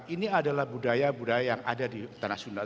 ini adalah budaya budaya yang ada di tanah sunda